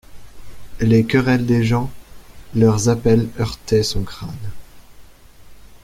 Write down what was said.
Les querelles des gens, leurs appels heurtaient son crâne.